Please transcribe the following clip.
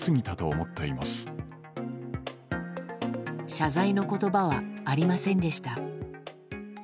謝罪の言葉はありませんでした。